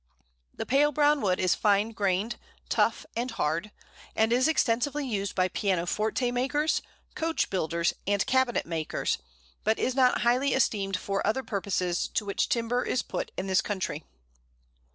The pale brown wood is fine grained, tough, and hard, and is extensively used by pianoforte makers, coach builders, and cabinet makers, but is not highly esteemed for other purposes to which timber is put in this country.